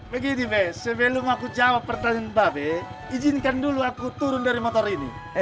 begini be sebelum aku jawab pertanyaan mbak be izinkan dulu aku turun dari motor ini